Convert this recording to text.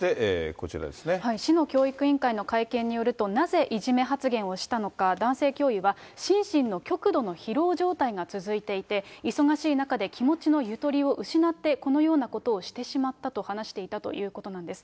市の教育委員会の会見によると、なぜいじめ発言をしたのか、男性教諭は心身の極度の疲労状態が続いていて、忙しい中で気持ちのゆとりを失って、このようなことをしてしまったと話していたそうなんです。